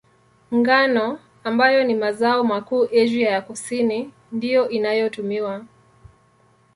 Ngano, ambayo ni mazao makuu Asia ya Kusini, ndiyo inayotumiwa.